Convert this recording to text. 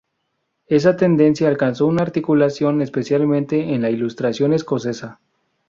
Esta tendencia alcanzó una articulación especialmente en la Ilustración escocesa.